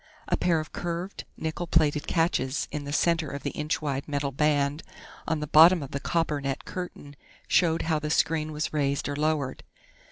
A pair of curved, nickel plated catches in the center of the inch wide metal band on the bottom of the coppernet curtain showed how the screen was raised or lowered.